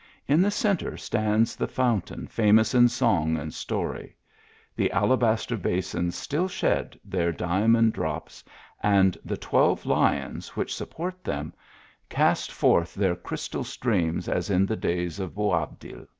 In the centre stands the foun tain famous in song and story. The alabaster ba sins still shed their diamond drops, and the twelve lions which support them, cast forth their crystal streams as in the days of Boabdil.